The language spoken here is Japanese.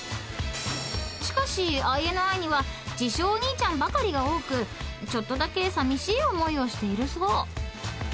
［しかしＩＮＩには自称お兄ちゃんばかりが多くちょっとだけさみしい思いをしているそう］